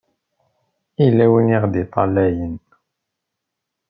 Yella win i ɣ-d-iṭṭalayen.